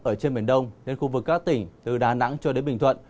ở trên biển đông đến khu vực các tỉnh từ đà nẵng cho đến bình thuận